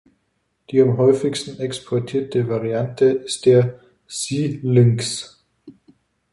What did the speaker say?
Die am häufigsten exportierte Variante ist der "Sea Lynx".